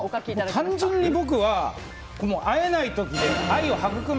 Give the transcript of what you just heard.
単純に僕は、会えない時で愛を育め！